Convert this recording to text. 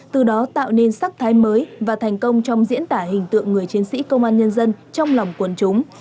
từ đó tạo nên sắc thái mới và thành công trong diễn tả hình tượng người chiến sĩ công an nhân dân trong lòng quần chúng